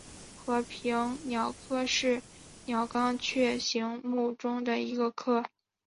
和平鸟科是鸟纲雀形目中的一个科。